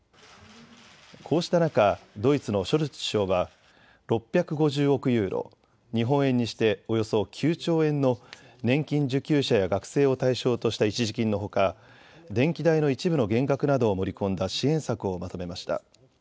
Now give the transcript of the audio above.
こうした中、ドイツのショルツ首相は６５０億ユーロ、日本円にしておよそ９兆円の年金受給者や学生を対象とした一時金のほか、電気代の一部の減額などを盛り込んだ支援策をまとめました。